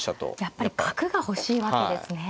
やっぱり角が欲しいわけですね。